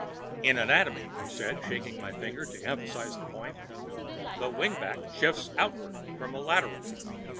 "In anatomy," I said, shaking my finger to emphasize the point, "the wingback shifts outward for a lateral.